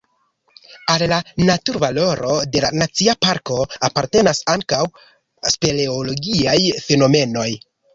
Al la naturvaloro de la nacia parko apartenas ankaŭ speleologiaj fenomenoj.